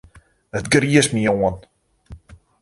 It griist my oan.